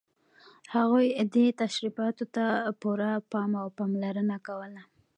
هغوی دې تشریفاتو ته پوره پام او پاملرنه کوله.